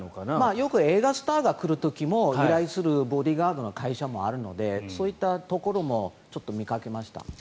よく映画スターが来る時も依頼するボディーガードの会社もあるのでそういったところもちょっと見かけました。